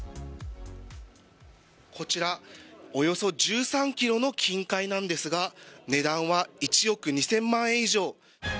こちらおよそ１３ｋｇの金塊ですが値段は１億２０００万以上。